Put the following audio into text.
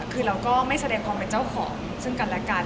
คือเราก็ไม่แสดงความเป็นเจ้าของซึ่งกันและกัน